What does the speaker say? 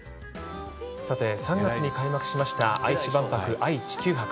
さて、３月に開幕しました愛知万博あい・地球博。